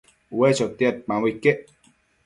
ue chotiadpambo iquec